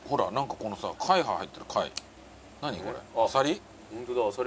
これ。